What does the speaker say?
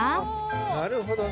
なるほどね。